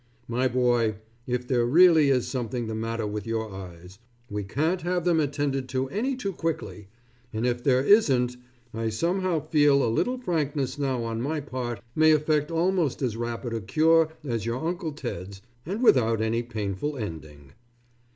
My boy, if there really is something the matter with your eyes, we can't have them attended to any too quickly, and if there isn't I somehow feel a little frankness now, on my part, may effect almost as rapid a cure as your Uncle Ted's and without any painful ending.